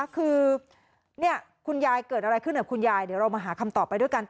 คือคุณยายเกิดอะไรขึ้นกับคุณยายเดี๋ยวเรามาหาคำตอบไปด้วยกัน